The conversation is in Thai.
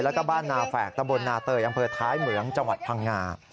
แล้วก็บ้านนาแฝกตำบลนาเตยอำเภอท้ายเหมืองจังหวัดพังงา